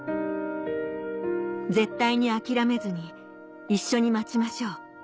「絶対に諦めずに一緒に待ちましょう」